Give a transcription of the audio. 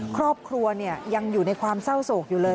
ครอบครัวยังอยู่ในความเศร้าโศกอยู่เลย